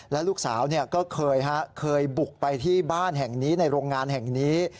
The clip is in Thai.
และลูกสาวก็เคยบุกไปที่บ้านแห่งนี้ในโรงงานแห่งนี้